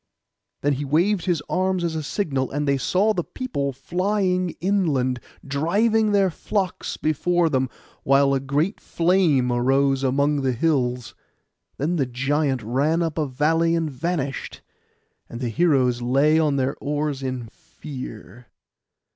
Then he waved his arms again as a signal, and they saw the people flying inland, driving their flocks before them, while a great flame arose among the hills. Then the giant ran up a valley and vanished, and the heroes lay on their oars in fear.